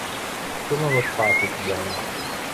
Truman was partly to blame.